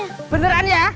eh beneran ya